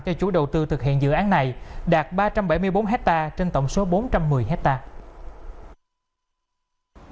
cho chủ đầu tư thực hiện dự án này đạt ba trăm bảy mươi bốn hectare trên tổng số bốn trăm một mươi hectare